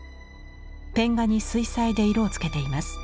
ペン画に水彩で色をつけています。